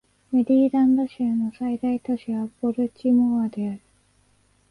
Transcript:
メリーランド州の最大都市はボルチモアである